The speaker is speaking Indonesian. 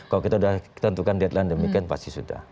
kalau kita sudah tentukan deadline demikian pasti sudah